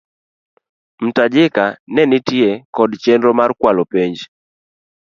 Mtajika ne nitie kod chenro mar kwalo penj.